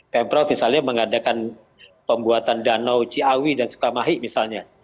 pemprov misalnya mengadakan pembuatan danau ciawi dan sukamahi misalnya